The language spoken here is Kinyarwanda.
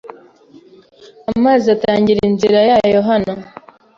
Amazi atangira inzira yayo hano